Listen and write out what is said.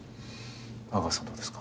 阿川さんどうですか？